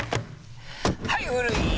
はい古い！